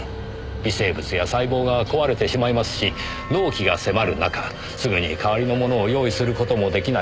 微生物や細胞が壊れてしまいますし納期が迫る中すぐに代わりのものを用意する事も出来ない。